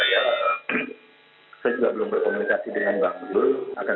saya juga belum berkomunikasi dengan pak amin